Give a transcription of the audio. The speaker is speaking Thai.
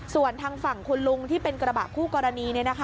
ส่วนทางฝั่งคุณลุงที่เป็นกระบะคู่กรณี